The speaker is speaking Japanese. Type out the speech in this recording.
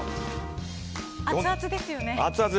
アツアツですよね。